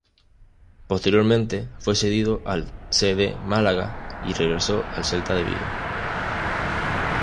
Posteriormente, fue cedido al C. D. Málaga y regresó al Celta de Vigo.